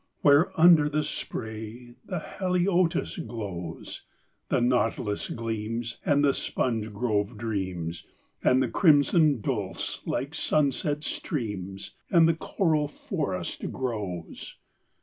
where, under the spray, The haliötis glows, The nautilus gleams and the sponge grove dreams, And the crimson dulse like sunset streams, And the coral forest grows.